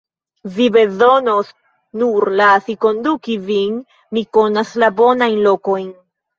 Vi bezonos nur lasi konduki vin; mi konas la bonajn lokojn.